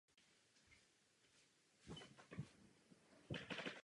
Bylo první vydání Kings of Leon.